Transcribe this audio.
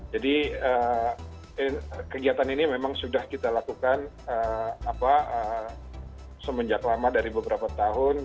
jadi kegiatan ini memang sudah kita lakukan semenjak lama dari beberapa tahun